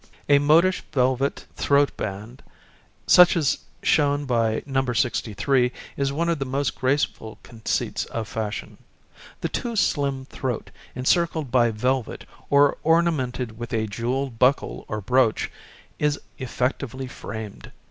A modish velvet throat band, such as is shown by No. 63, is one of the most graceful conceits of fashion. The too slim throat encircled by velvet or ornamented with a jewelled buckle or brooch is effectively framed.